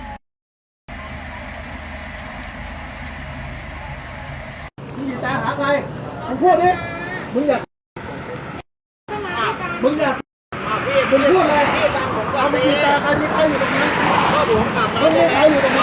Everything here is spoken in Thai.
เมื่อเมื่อเมื่อ